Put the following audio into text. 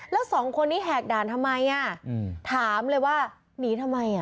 แล้วสองคนนี้แหกด่านทำไมอ่ะถามเลยว่าหนีทำไมอ่ะ